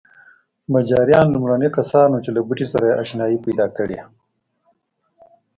مجاریان لومړني کسان وو چې له بوټي سره اشنايي پیدا کړې.